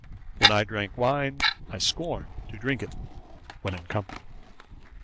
When I drank wine, I scorned to drink it when in company.